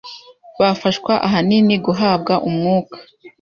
bafashwa ahanini guhabwa umwuka